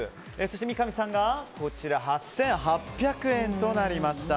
三上さんが８８００円となりました。